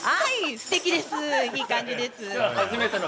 すてきですいい感じです。